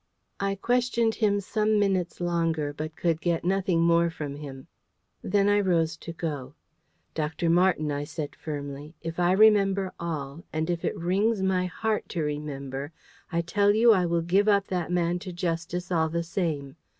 I questioned him some minutes longer, but could get nothing more from him. Then I rose to go. "Dr. Marten," I said firmly, "if I remember all, and if it wrings my heart to remember, I tell you I will give up that man to justice all the same!